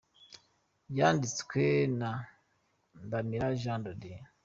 Yanditswe na Ndamira Jean de Dieu